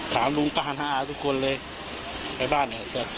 ถามลุงป้าน้าอาทุกคนเลยไปบ้านเนี่ย